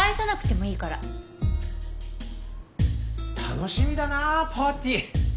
楽しみだなぁパーティー。